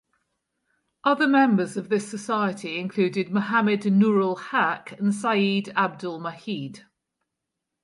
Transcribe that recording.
Other members of this society included Muhammad Nurul Haque and Syed Abdul Majid.